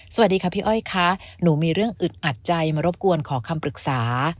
สวัสดีค่ะพี่อ้อยค่ะหนูมีเรื่องอึดอัดใจมารบกวนขอคำปรึกษา